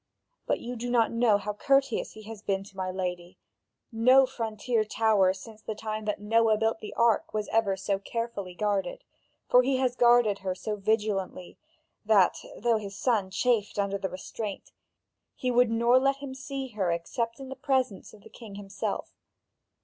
But you do not know how courteous he has been to my lady: no frontier tower since the time that Noah built the ark was ever so carefully guarded, for he has guarded her so vigilantly that, though his son chafed under the restraint, he would nor let him see her except in the presence of the king himself.